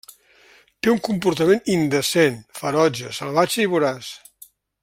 Té un comportament indecent, ferotge, salvatge i voraç.